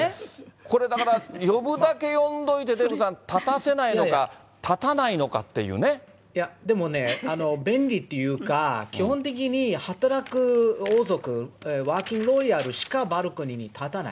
これ、だから、呼ぶだけ呼んどいて、デーブさん、立たせないでもね、便利っていうか、基本的に働く王族、ワーキングロイヤルしかバルコニーに立たない。